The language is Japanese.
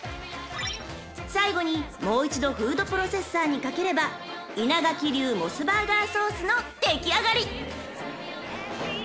［最後にもう一度フードプロセッサーにかければ稲垣流モスバーガーソースの出来上がり］